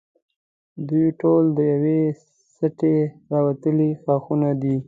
دوی ټول د یوې سټې راوتلي ښاخونه دي.